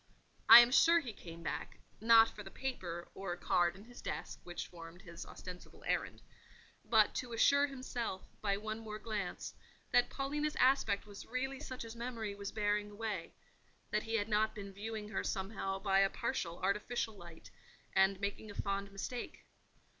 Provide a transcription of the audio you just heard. I am sure he came back—not for the paper, or card in his desk, which formed his ostensible errand—but to assure himself, by one more glance, that Paulina's aspect was really such as memory was bearing away: that he had not been viewing her somehow by a partial, artificial light, and making a fond mistake.